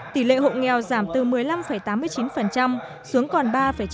tỷ lệ hộ nghèo giảm từ một mươi năm tám mươi chín xuống còn ba chín mươi bảy